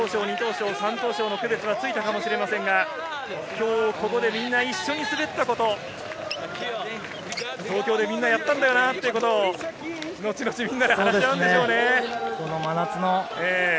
得点上で１等賞、２等賞、３等賞の区別はついたかもしれませんが、ここでみんな一緒に滑ったこと、東京でみんなやったんだよなということを後々みんなで話し合うんでしょうね。